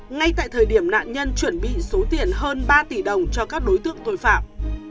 ngay tại thời điểm nạn nhân chuẩn bị số tiền hơn ba tỷ đồng cho các đối tượng tội phạm